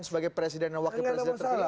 sebagai presiden dan wakil presiden terpilih